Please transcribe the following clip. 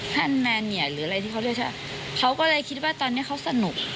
ท่านแมนเนียหรืออะไรที่เขาเรียกว่าเขาก็เลยคิดว่าตอนนี้เขาสนุก